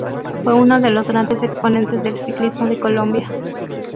Fue uno de los grandes exponentes del ciclismo de Colombia.